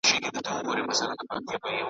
کله کله هم شاعر بې موضوع وي .